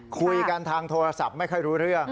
คุยกันทางโทรศัพท์ไม่ค่อยรู้เรื่อง